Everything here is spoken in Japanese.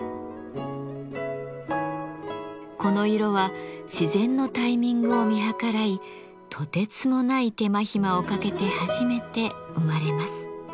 この色は自然のタイミングを見計らいとてつもない手間ひまをかけて初めて生まれます。